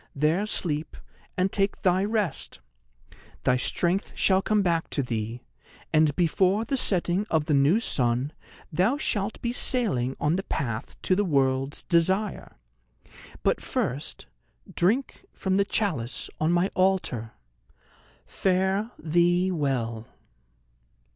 There sleep, and take thy rest! Thy strength shall come back to thee, and before the setting of the new sun thou shalt be sailing on the path to The World's Desire. But first drink from the chalice on my altar. Fare thee well!"